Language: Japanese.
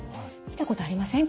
見たことありません